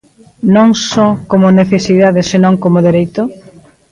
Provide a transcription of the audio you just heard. Non só como necesidade senón como dereito?